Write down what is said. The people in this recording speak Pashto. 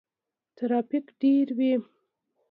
ترافیک ډیر وي.